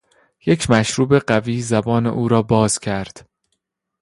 یک مشروب قوی زبان او را باز کرد.